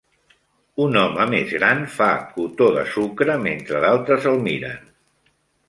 Un home més gran fa cotó de sucre mentre d'altres el miren.